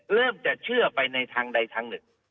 เริ่มจะเชื่อไปในทางใดทางหนึ่ง